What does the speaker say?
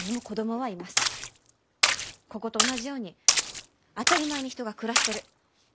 ここと同じように当たり前に人が暮らしてる。